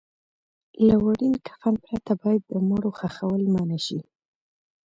له وړین کفن پرته باید د مړو خښول منع شي.